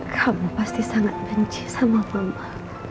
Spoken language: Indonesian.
kamu pasti sangat benci sama mama